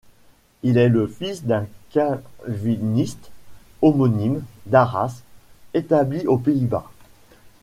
Il est le fils d'un calviniste homonyme d'Arras, établi aux Pays-Bas.